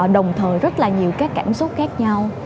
đồng thời rất là nhiều các cảm xúc khác nhau